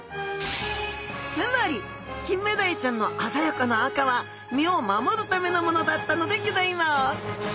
つまりキンメダイちゃんの鮮やかな赤は身を守るためのものだったのでギョざいます。